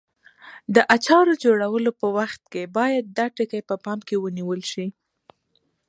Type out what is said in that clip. د اچارو جوړولو په وخت کې باید دا ټکي په پام کې ونیول شي.